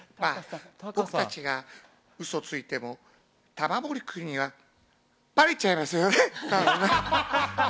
僕たちがウソついても玉森君にはバレちゃいますよ。